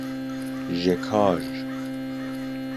ژکاژ